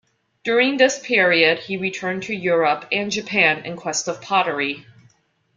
During this period, he returned to Europe, and Japan in quest of pottery.